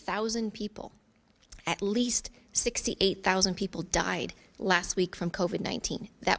enam puluh delapan orang setidaknya enam puluh delapan orang yang mati minggu lalu dari covid sembilan belas yang kita tahu